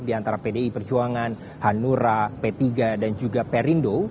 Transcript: di antara pdi perjuangan hanura p tiga dan juga perindo